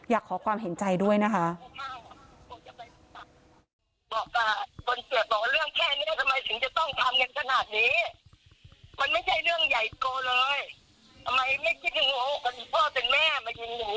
อยากขอความเห็นใจด้วยนะคะ